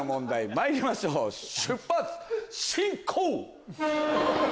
まいりましょう出発進行！